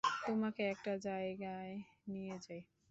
তোমাকে একটা জায়গায় নিয়ে যাই।